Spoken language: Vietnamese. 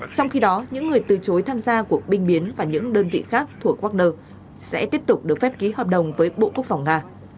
trong khi đó những người từ chối tham gia cuộc binh biến và những đơn vị khác thuộc wagner sẽ tiếp tục được phép ký hợp đồng với bộ quốc phòng nga